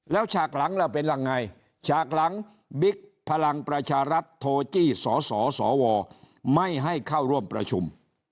แล้วฉากหลังล่ะเป็นยังไงฉากหลังบิ๊กพลังประชารัฐโทรจี้สสวไม่ให้เข้าร่วมประชุม